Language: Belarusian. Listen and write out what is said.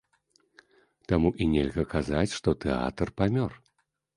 Таму і нельга казаць, што тэатр памёр.